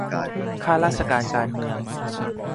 ข้าราชการการเมือง